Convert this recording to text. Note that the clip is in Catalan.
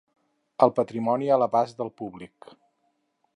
El patrimoni a l'abast del públic.